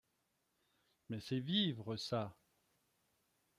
Mais c’est vivre, ça!